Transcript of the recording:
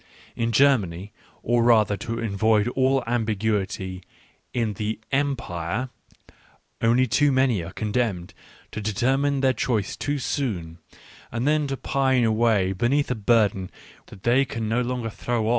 In Ger many, or rather, to avoid all ambiguity, in the Empire,* only too many are condemned to deter mine their choice too soon, and then to pine away beneath a burden that they can no longer throw